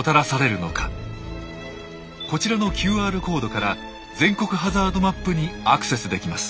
こちらのＱＲコードから全国ハザードマップにアクセスできます。